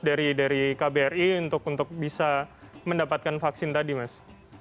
dari kbri untuk bisa mendapatkan vaksin tadi mas